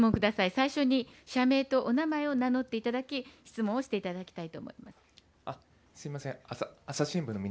最初に社名とお名前を名乗っていただき、質問をしていただきたいと思います。